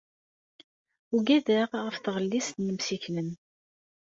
Uggadeɣ ɣef tɣellist n yimsiklen.